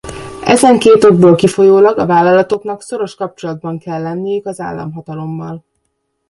Ezen két okból kifolyólag a vállalatoknak szoros kapcsolatban kell lenniük az államhatalommal.